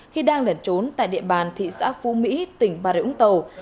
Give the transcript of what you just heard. khi đang lẩn trốn tại địa bàn thị xã phú mỹ tỉnh bà rịa úng tàu